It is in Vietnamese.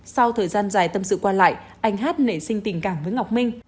sau thời gian dài tâm sự qua lại anh hát nảy sinh tình cảm với ngọc minh